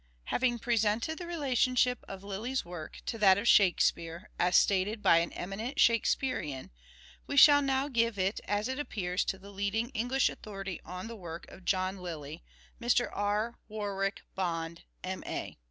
Having presented the relationship of Lyly's work Literary men to that of " Shakespeare " as stated by an eminent Shakespearean, we shall now give it as it appears to the leading English authority on the work of John Lyly, Mr. R. Warwick Bond, M.A.